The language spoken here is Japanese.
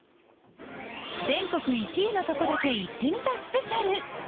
全国１位のとこだけ行ってみたスペシャル。